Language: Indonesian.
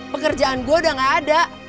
pekerjaan gue udah gak ada